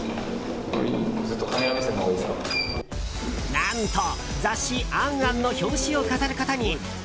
何と、雑誌「ａｎａｎ」の表紙を飾ることに。